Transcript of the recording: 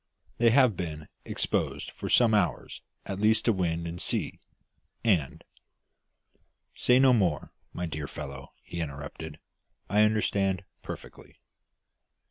They have been exposed for some hours at least to wind and sea, and " "Say no more, my dear fellow," he interrupted; "I understand perfectly."